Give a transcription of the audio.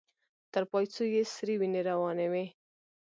تر پايڅو يې سرې وينې روانې وې.